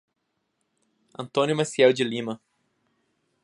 Antônio Maciel de Lima